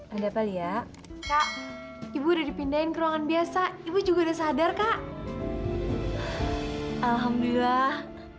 ada kali ya kak ibu udah dipindahin ke ruangan biasa ibu juga udah sadar kak alhamdulillah